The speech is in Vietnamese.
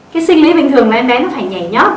cái sinh lý bình thường là em bé phải nhảy nhót